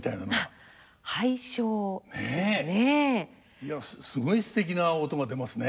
いやすごいすてきな音が出ますね。